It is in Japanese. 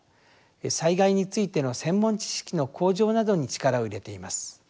災害についての専門知識の向上などに力を入れています。